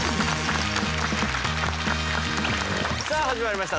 さあ始まりました